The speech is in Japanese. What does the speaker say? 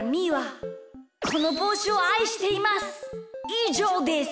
いじょうです。